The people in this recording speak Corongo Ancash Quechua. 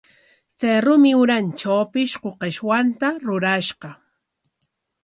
Chay rumi urantraw pishqu qishwanta rurashqa.